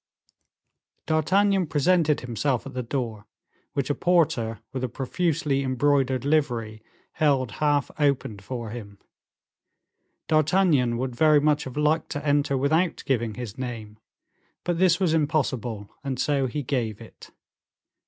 D'Artagnan presented himself at the door, which a porter with a profusely embroidered livery held half opened for him. D'Artagnan would very much have liked to enter without giving his name, but this was impossible, and so he gave it.